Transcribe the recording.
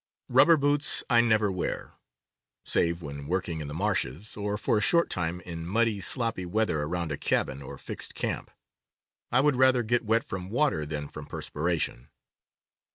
Rubber boots I never wear, save when working in the marshes, or for a short time in muddy, sloppy __ J. weather around a cabin or fixed camp. .p I would rather get wet from water than from perspiration.